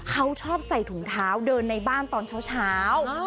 เขาชอบใส่ถุงเท้าเดินในบ้านตอนเช้า